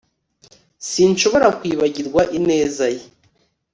Sinshobora kwibagirwa ineza ye